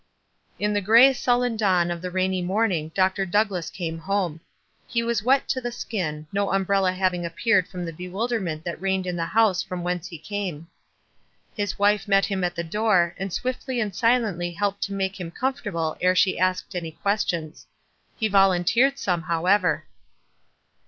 In the gray sullen dawn of the rainy morning Dr. Douglass came home. He was wet to the skin, no umbrella having appeared from the bewilderment that reigned in the house from whence he came. His wife met him at the door, and swiftly and silently helped to make him com fortable ere she asked any questions. He vol unteered some, however.